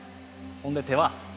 ほんで手は。